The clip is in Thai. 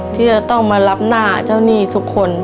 ที่จะต้องมารับหน้าเจ้าหนี้ทุกคน